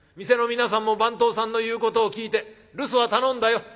店の皆さんも番頭さんの言うことを聞いて留守は頼んだよ。